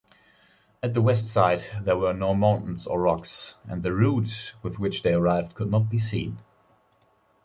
At the west side there were no mountains or rocks, and the route with which they arrived could not be seen.